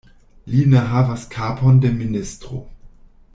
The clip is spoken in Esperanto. Li ne havas kapon de ministro.